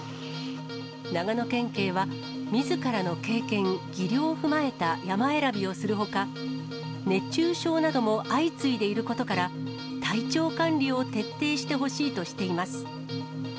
長野県警は、みずからの経験、技量を踏まえた山選びをするほか、熱中症なども相次いでいることから、体調管理を徹底してほしいとしています。